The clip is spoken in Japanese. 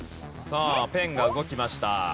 さあペンが動きました。